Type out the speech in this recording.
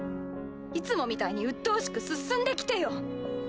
いつもみたいにうっとうしく進んできてよ。